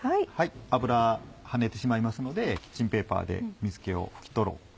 油跳ねてしまいますのでキッチンペーパーで水気を拭き取ろう。